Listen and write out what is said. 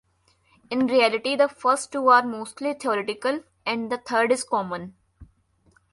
In reality the first two are mostly theoretical and the third is common.